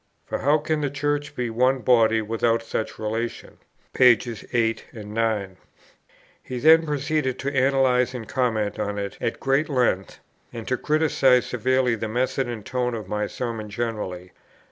for how can the Church be one body without such relation?'" Pp. 8, 9. He then proceeded to analyze and comment on it at great length, and to criticize severely the method and tone of my Sermons generally.